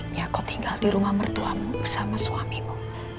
kenapa gak disuapin sama nayla